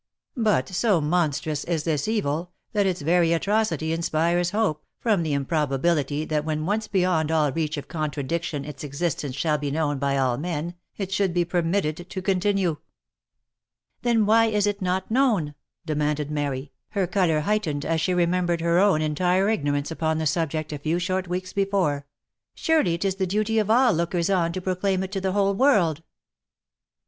But so monstrous is this evil, that its very atrocity inspires hope, from the improbability that when once beyond all reach of contradiction its existence shall be known by all men, it should be permitted to continue." 206 THE LIFE AND ADVENTURES " Then why is it not known V 9 demanded Mary, her colour height ened as she remembered her own entire ignorance upon the subject a few short weeks before, " surely it is the duty of all lookers on to proclaim it to the whole world."